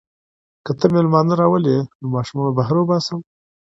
که ته مېلمانه راولې نو ماشومان به بهر وباسم.